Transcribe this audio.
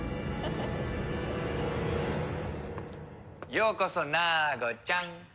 ようこそナーゴちゃん！